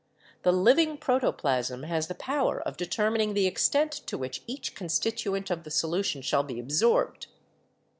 The living protoplasm has the power of deter mining the extent to which each constituent of the solution shall be absorbed.